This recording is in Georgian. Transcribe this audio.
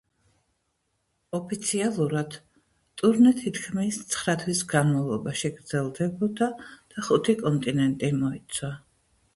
ოფიციალურად, ტურნე თითქმის ცხრა თვის განმავლობაში გრძელდებოდა და ხუთი კონტინენტი მოიცვა.